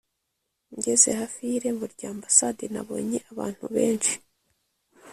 Ngeze hafi y’irembo rya ambasade nabonye abantu benshi